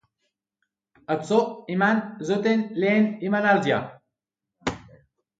Atzo eman zuten lehen emanaldia.